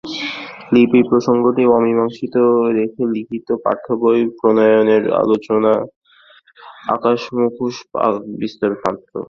লিপির প্রসঙ্গটি অমীমাংসিত রেখে লিখিত পাঠ্যবই প্রণয়নের আলোচনা আকাশকুসুম বাকবিস্তার মাত্র।